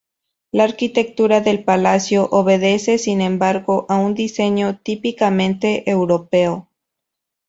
La arquitectura del palacio obedece sin embargo a un diseño típicamente europeo.